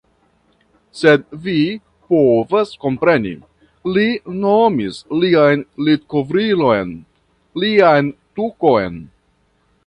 Sed vi povas kompreni. Li nomis lian litkovrilon... lian tukon.